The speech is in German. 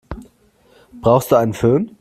Brauchst du einen Fön?